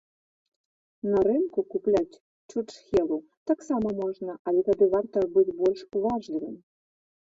На рынку купляць чурчхелу таксама можна, але тады варта быць больш уважлівым.